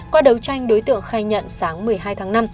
qua đấu tranh đối tượng khai nhận sáng một mươi hai tháng năm